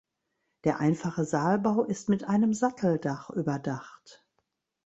Der einfache Saalbau ist mit einem Satteldach überdacht.